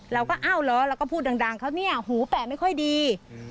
เราก็อ้าวเหรอเราก็พูดดังเขาเนี่ยหูแปะไม่ค่อยดี